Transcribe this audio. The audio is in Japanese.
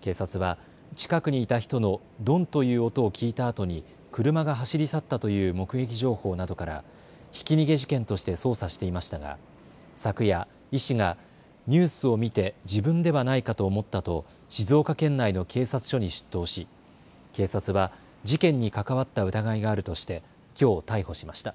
警察は近くにいた人のどんという音を聞いたあとに車が走り去ったという目撃情報などからひき逃げ事件として捜査していましたが昨夜、医師がニュースを見て自分ではないかと思ったと静岡県内の警察署に出頭し、警察は事件に関わった疑いがあるとしてきょう逮捕しました。